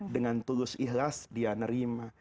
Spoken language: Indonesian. dengan tulus ikhlas dia nerima